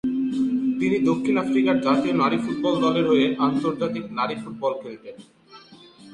তিনি দক্ষিণ আফ্রিকার জাতীয় নারী ফুটবল দলের হয়ে আন্তর্জাতিক নারী ফুটবল খেলতেন।